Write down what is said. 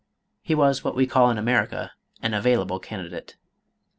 He was what we call in America an available candidate.